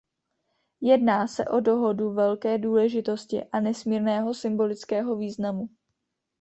Jedná se o dohodu velké důležitosti a nesmírného symbolického významu.